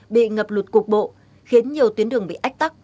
bị ngập lụt cục bộ khiến nhiều tuyến đường bị ách tắc